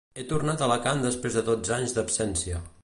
He tornat a Alacant després de dotze anys d'absència.